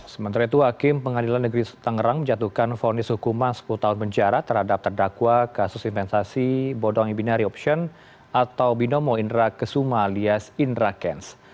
sementara itu hakim pengadilan negeri tangerang menjatuhkan fonis hukuman sepuluh tahun penjara terhadap terdakwa kasus investasi bodong ibinary option atau binomo indra kesuma alias indra kents